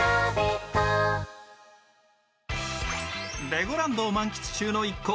レゴランドを満喫中の一行。